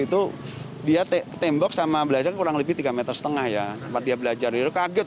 itu dia tembok sama belajar kurang lebih tiga meter setengah ya sempat dia belajar itu kaget